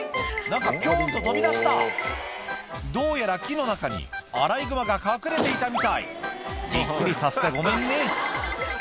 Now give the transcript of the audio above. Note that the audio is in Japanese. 何かピョンと飛び出したどうやら木の中にアライグマが隠れていたみたいびっくりさせてごめんね